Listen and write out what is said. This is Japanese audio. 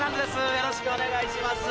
よろしくお願いします。